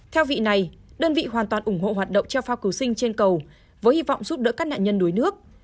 theo vị này đơn vị hoàn toàn ủng hộ hoạt động cho phao cứu sinh trên cầu với hy vọng giúp đỡ các nạn nhân đuối nước